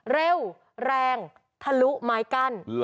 เร็วแรงทะลุไม้กั้น